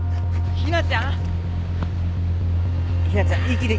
ひなちゃん